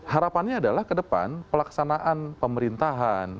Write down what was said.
harapannya adalah kedepan pelaksanaan pemerintahan